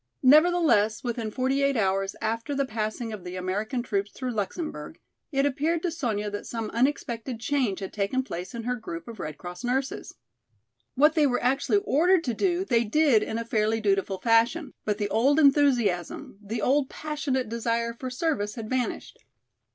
Nevertheless, within forty eight hours after the passing of the American troops through Luxemburg, it appeared to Sonya that some unexpected change had taken place in her group of Red Cross nurses. What they were actually ordered to do they did in a fairly dutiful fashion, but the old enthusiasm, the old passionate desire for service had vanished.